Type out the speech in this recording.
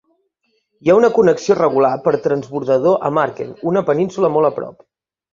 Hi ha una connexió regular per transbordador a Marken, una península molt a prop.